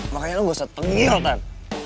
makanya lo gak usah tenggil tan